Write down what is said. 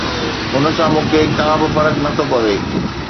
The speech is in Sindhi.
ان سان مون کي ڪا به فرق نه ٿو پوي